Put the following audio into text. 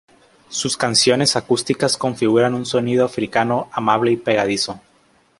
Sus canciones acústicas configuran un sonido africano amable y pegadizo.